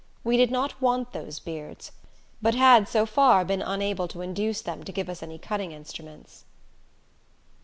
We did not want those beards, but had so far been unable to induce them to give us any cutting instruments.